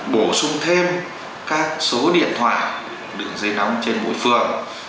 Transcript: bổ sung thêm các số điện thoại đường dây nóng trên mỗi phường